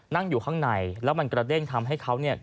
นั่งอยู่ข้างในแล้วมันกระเด้งทำให้เขาเนี่ย